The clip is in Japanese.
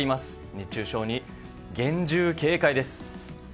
熱中症に厳重警戒です。